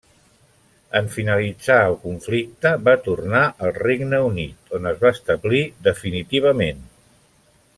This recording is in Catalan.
En finalitzar el conflicte, va tornar al Regne Unit, on es va establir definitivament.